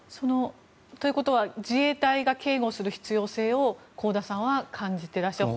ということは自衛隊が警護する必要性を香田さんは感じていらっしゃる。